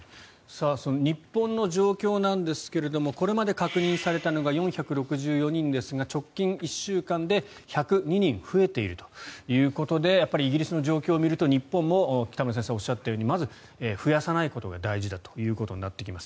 日本の状況なんですがこれまで確認されたのが４６４人ですが直近１週間で１０２人増えているということでやっぱりイギリスの状況を見ると日本も北村先生がおっしゃったようにまずは増やさないことが大事だということになってきます。